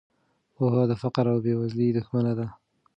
پوهه د فقر او بې وزلۍ دښمنه ده.